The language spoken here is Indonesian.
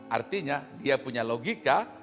artinya dia punya logika